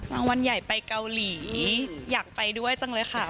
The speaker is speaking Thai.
รางวัลใหญ่ไปเกาหลีอยากไปด้วยจังเลยค่ะ